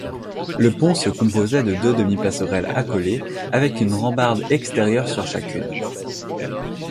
Le pont se composait de deux demi-passerelles accolées, avec une rambarde extérieure sur chacune.